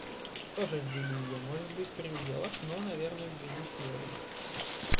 Тоже ввели ее, может быть, при уделах, но, наверно, ввели силою.